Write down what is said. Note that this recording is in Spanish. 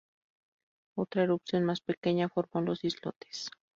Otra erupción más pequeña formó los islotes.